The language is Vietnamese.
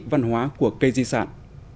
văn hóa của cây di sản